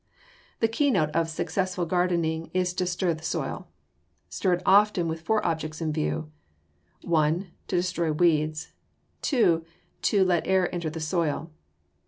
The keynote of successful gardening is to stir the soil. Stir it often with four objects in view: 1. To destroy weeds. 2. To let air enter the soil.